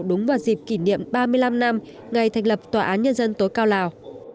đúng vào dịp kỷ niệm ba mươi năm năm ngày thành lập tòa án nhân dân tối cao lào